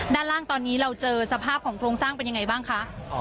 ด้านล่างตอนนี้เราเจอสภาพของโครงสร้างเป็นยังไงบ้างคะ